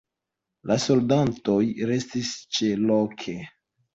La soldatoj restis ĉeloke.